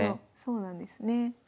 そうなんですね。